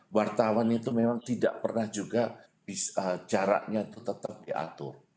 wartawan itu memang tidak pernah juga jaraknya itu tetap diatur